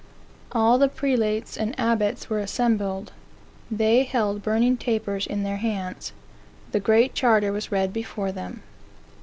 All the prelates and abbots were assembled. They held burning tapers in their hands. The Great Charter was read before them.